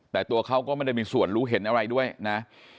แต่ตัวเขาก็ไม่ได้มีส่วนรู้เห็นอะไรด้วยนะ